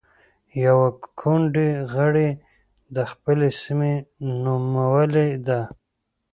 يوه ګوندي غړې د خپلې سيمې نومولې ده.